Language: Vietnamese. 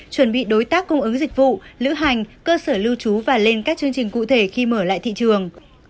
chuẩn bị đối tác cung ứng dịch vụ lữ hành cơ sở lưu trú và lên các chương trình cụ thể khi mở lại thị trường